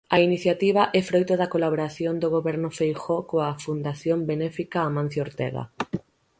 A iniciativa é froito da colaboración do Goberno Feijóo coa Fundación Benéfica Amancio Ortega.